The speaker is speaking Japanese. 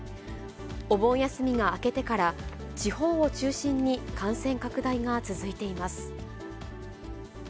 お盆休みが明けてから、地方を中心に感染拡大が続いています。